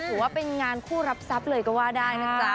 ถือว่าเป็นงานคู่รับทรัพย์เลยก็ว่าได้นะจ๊ะ